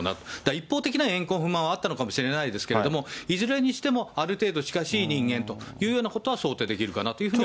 一方的な怨恨、憤まんはあったのかもしれないですけれども、いずれにしても、ある程度近しい人間というようなことは想定できるかなというふう